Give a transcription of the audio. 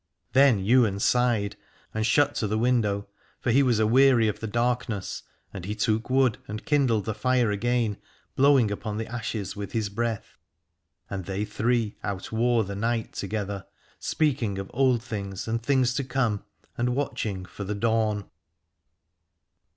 Then 336 Aladore Ywain sighed and shut to the window, for he was a weary of the darkness, and he took wood and kindled the lire again, blowing upon the ashes with his breath. And they three outwore the night together, speaking of old things and things to come, and watching for the dawn.